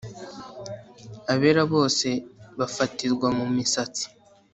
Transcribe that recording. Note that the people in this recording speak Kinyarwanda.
Abera bose bafatirwa mumisatsi